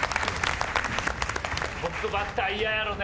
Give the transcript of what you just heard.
トップバッター嫌やろね。